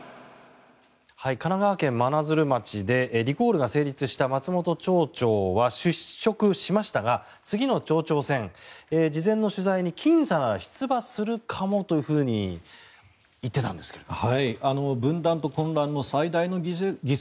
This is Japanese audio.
神奈川県真鶴町でリコールが成立した松本町長は失職しましたが次の町長選事前の取材に、きん差なら出馬するかもというふうに言っていたんですけれども。